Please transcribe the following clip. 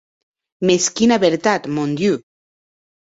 Mès quina vertat, mon Diu!